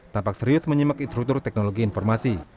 tampak serius menyimak instruktur teknologi informasi